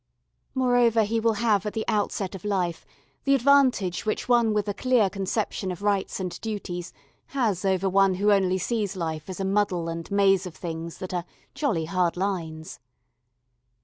More, he will have at the outset of life the advantage which one with a clear conception of rights and duties has over one who only sees life as a muddle and maze of things that are "jolly hard lines."